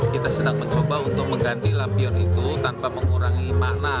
kita sedang mencoba untuk mengganti lampion itu tanpa mengurangi makna